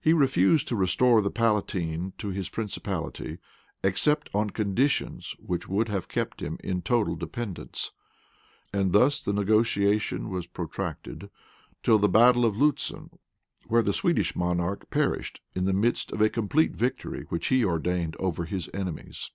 He refused to restore the palatine to his principality, except on conditions which would have kept him in total dependence.[*] And thus the negotiation was protracted, till the battle of Lutzen, where the Swedish monarch perished in the midst of a complete victory which he obtained over his enemies.